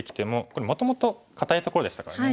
これもともと堅いところでしたからね。